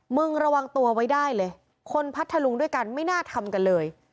มึงระวังตัวไว้ได้เลยคนพัทธลุงด้วยกันไม่น่าทำกันเลย